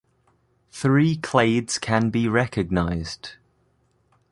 Three clades can be recognized.